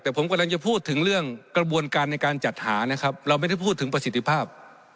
แต่ผมกำลังจะพูดถึงเรื่องกระบวนการในการจัดหานะครับเราไม่ได้พูดถึงประสิทธิภาพ